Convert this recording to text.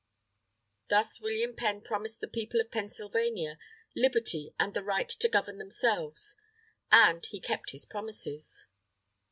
Thus William Penn promised the People of Pennsylvania, Liberty and the right to govern themselves. And he kept his promises.